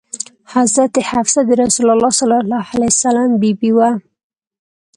حضرت حفصه د رسول الله بي بي وه.